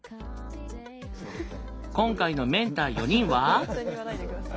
今回のメンター４人は。